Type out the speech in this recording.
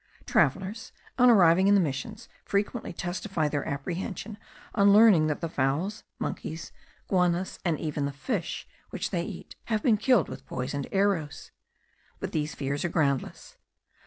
Travellers, on arriving in the missions, frequently testify their apprehension on learning that the fowls, monkeys, guanas, and even the fish which they eat, have been killed with poisoned arrows. But these fears are groundless.